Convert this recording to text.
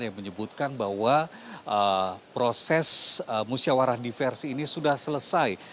yang menyebutkan bahwa proses musyawarah diversi ini sudah selesai